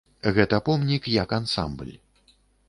Гэта помнік як ансамбль.